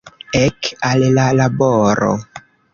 Ek, al la laboro!